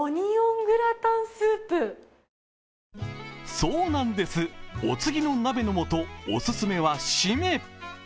そうなんです、お次の鍋のもとオススメは締め。